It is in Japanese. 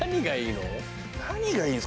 何がいいの？